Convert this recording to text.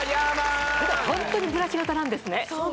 ホントにブラシ型なんですね